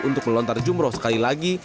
untuk melontar jumroh sekali lagi